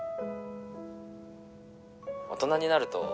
「大人になると」